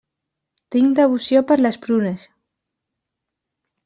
Tinc devoció per les prunes.